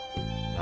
何？